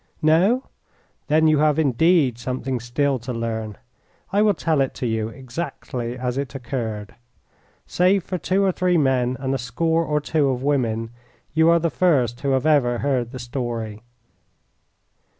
No? Then you have indeed something still to learn. I will tell it to you exactly as it occurred. Save for two or three men and a score or two of women, you are the first who have ever heard the story.